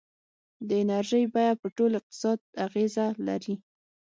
د انرژۍ بیه په ټول اقتصاد اغېزه لري.